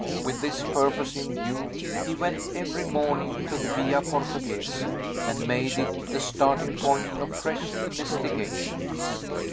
With this purpose in view, he went, every morning, to the Via Portoghese, and made it the starting point of fresh investigations.